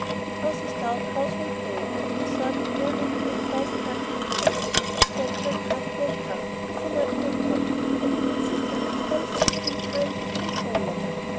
It was a stout household loaf, of the sort invariable in south county England, substantial, crusty, and tough, with a "nubbin" on top, and in consistency something between pine wood and sole leather.